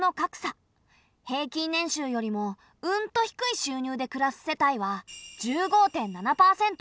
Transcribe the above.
平均年収よりもうんと低い収入で暮らす世帯は１５．７％。